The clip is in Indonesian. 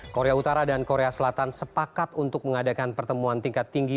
korea utara dan korea selatan sepakat untuk mengadakan pertemuan tingkat tinggi